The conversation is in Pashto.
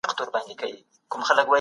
که انلاین کورس وي نو ځوانان نه محرومیږي.